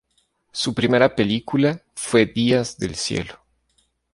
Su primera película fue "Días del cielo".